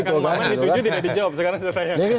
kalau memang dituju tidak dijawab sekarang saya tanya